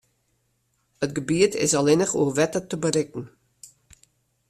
It gebiet is allinnich oer wetter te berikken.